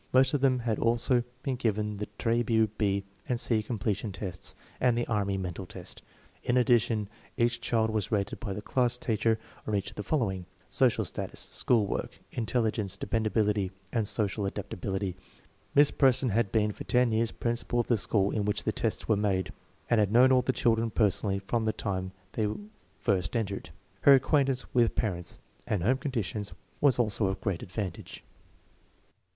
Most of them had also been given the Trabue B and C Completion Tests and the Army mental test. In addition each child was rated by the class teacher on each of the following: social status, school work, intelligence, dependability, and social adaptability. Miss Preston had been for ten years principal of the school in which the tests were made, and had known all the children personally from the time they first entered. Her acquaintance with parents and home conditions was also of great advantage.